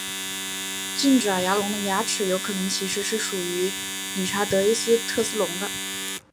近爪牙龙的牙齿有可能其实是属于理查德伊斯特斯龙的。